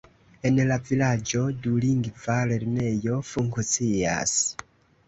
En la vilaĝo dulingva lernejo funkcias.